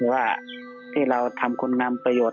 ว่าที่เราทำคุณภรรณามประโยธิ์